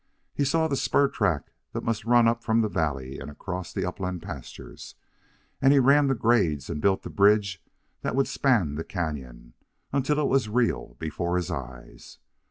He saw the spur track that must run up from the valley and across the upland pastures, and he ran the grades and built the bridge that would span the canon, until it was real before his eyes.